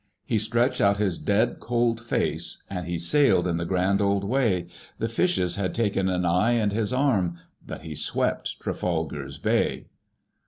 "He stretched out his dead cold face And he sailed in the grand old way! The fishes had taken an eye and his arm, But he swept Trafalgar's Bay.